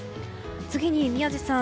次に宮司さん